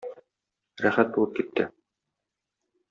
Рәхәт булып китте.